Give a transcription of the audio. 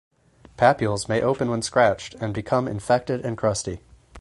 Papules may open when scratched and become infected and crusty.